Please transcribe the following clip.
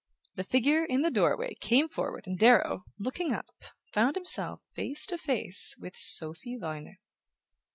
The figure in the doorway came forward and Darrow, looking up, found himself face to face with Sophy Viner.